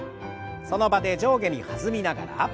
その場で上下に弾みながら。